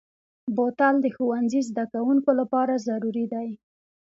بوتل د ښوونځي زدهکوونکو لپاره ضروري دی.